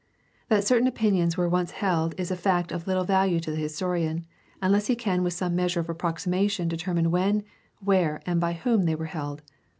That certain opinions were once held is a fact of Httle value to the historian unless he can with some measure of approximation' determine when, where, and by whom they were held.